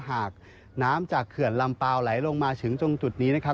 หากน้ำจากเขื่อนลำเปล่าไหลลงมาถึงตรงจุดนี้นะครับ